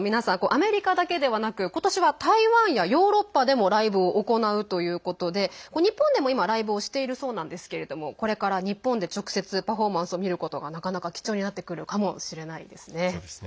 アメリカだけではなく今年は台湾やヨーロッパでもライブを行うということで日本でも今、ライブをしているそうなんですけれどもこれから日本で直接パフォーマンスを見ることがなかなか貴重になってくるかもしれないですね。